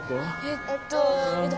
えっと。